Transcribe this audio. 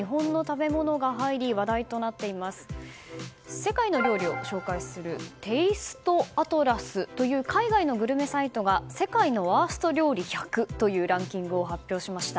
世界の料理を紹介するテイスト・アトラスという海外のグルメサイトが世界のワースト料理１００というランキングを発表しました。